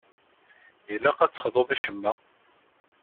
Ilaq ad texḍuḍ i ccemma.